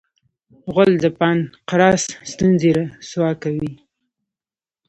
غول د پانقراس ستونزې رسوا کوي.